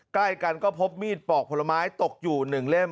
ใกล้กันก็พบมีดปอกผลไม้ตกอยู่๑เล่ม